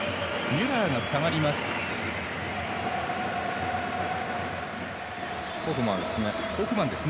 ミュラーが下がります。